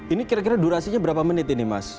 ini kira kira durasinya berapa menit ini mas